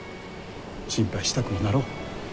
心配したくもなろう。